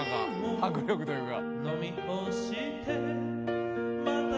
迫力というか。